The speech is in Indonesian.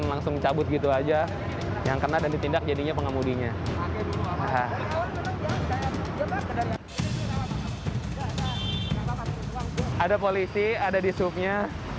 langsung cabut gitu aja yang kena dan ditindak jadinya pengemudinya ada polisi ada di subnya